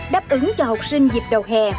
đáp ứng cho học sinh dịp đầu hè